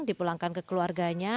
dipulangkan ke keluarganya